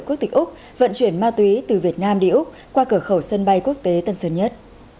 quốc tịch úc vận chuyển ma túy từ việt nam đi úc qua cửa khẩu sân bay quốc tế tân sơn nhất